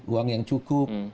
uang yang cukup